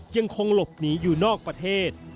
ยังคงหลบหนีอยู่นอกประเทศ